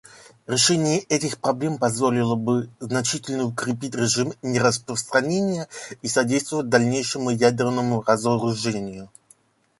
Решение этих проблем позволило бы значительно укрепить режим нераспространения и содействовать дальнейшему ядерному разоружению.